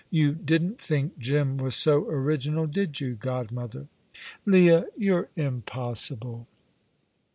"You didn't think Jim was so original, did you, godmother?" "Leah, you're impossible!"